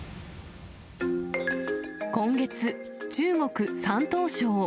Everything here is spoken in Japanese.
今月、中国・山東省。